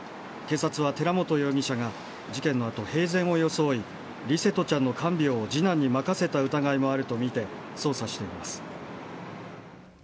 警察は寺本容疑者が事件のあと、平然を装い、琉聖翔ちゃんの看病を次男に任せた疑いがあると見て、捜査しています。